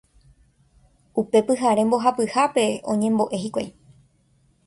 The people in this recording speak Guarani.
Upe pyhare mbohapyhápe oñembo'e hikuái.